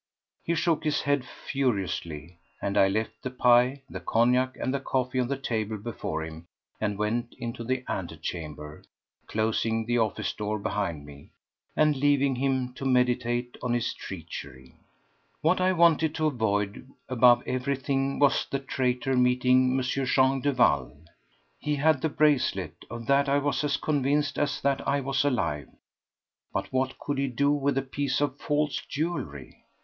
He shook his head furiously, and I left the pie, the cognac and the coffee on the table before him and went into the antechamber, closing the office door behind me, and leaving him to meditate on his treachery. What I wanted to avoid above everything was the traitor meeting M. Jean Duval. He had the bracelet—of that I was as convinced as that I was alive. But what could he do with a piece of false jewellery?